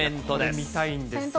見たいんですよ。